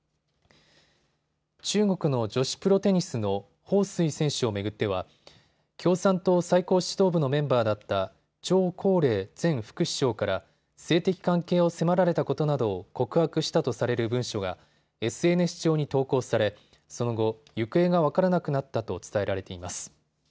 中国の女子プロテニスの彭帥選手を巡っては共産党最高指導部のメンバーだった張高麗前副首相から性的関係を迫られたことなどを告白したとされる文書がＳＮＳ上に投稿されその後、行方が分からなくなったと伝えられています。